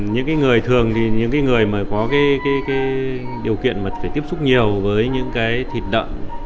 những người thường thì những người mà có điều kiện mà phải tiếp xúc nhiều với những cái thịt đợn